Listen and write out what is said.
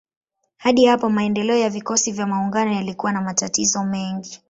Hadi hapa maendeleo ya vikosi vya maungano yalikuwa na matatizo mengi.